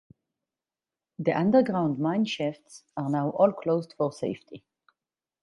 The underground mine shafts are now all closed for safety.